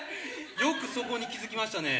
よくそこに気付きましたね。